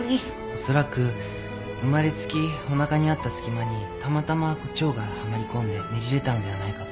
恐らく生まれつきおなかにあった透き間にたまたま腸がはまり込んでねじれたのではないかと。